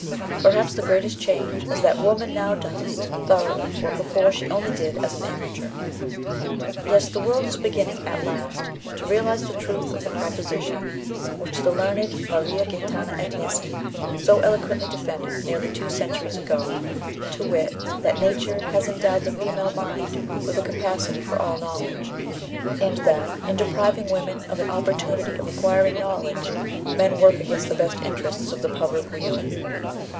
"Perhaps the greatest change is that woman now does thoroughly what before she only did as an amateur." Yes, the world is beginning at last to realize the truth of the proposition which the learned Maria Gaetana Agnesi so eloquently defended nearly two centuries ago to wit, that nature has endowed the female mind with a capacity for all knowledge, and that, in depriving women of an opportunity of acquiring knowledge, men work against the best interests of the public weal.